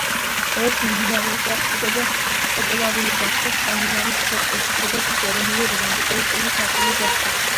ეს მიმდინარეობა ასევე პოპულარული გახდა სკანდინავიის ქვეყნებში, სადაც ის ეროვნული რომანტიკული სტილის ნაწილი გახდა.